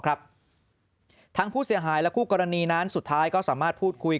ทางผู้เสียหายและคู่กรณีนั้นสุดท้ายก็สามารถพูดคุย